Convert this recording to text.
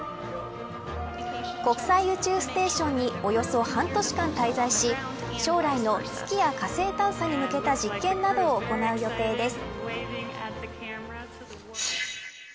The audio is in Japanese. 国際宇宙ステーションにおよそ半年間滞在し将来の月や火星探査に向けた実験などを行う予定です。